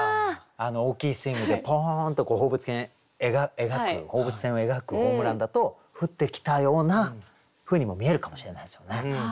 大きいスイングでポーンっと放物線描く放物線を描くホームランだと降ってきたようなふうにも見えるかもしれないですよね。